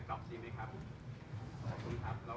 ขอขอบคุณหน่อยนะคะ